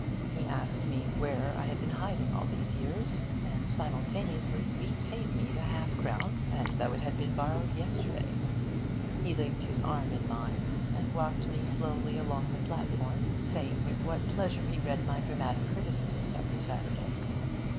He asked me where I had been hiding all these years; and simultaneously repaid me the half crown as though it had been borrowed yesterday. He linked his arm in mine, and walked me slowly along the platform, saying with what pleasure he read my dramatic criticisms every Saturday.